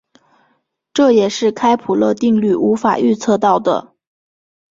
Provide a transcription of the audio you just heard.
这也是开普勒定律无法预测到的。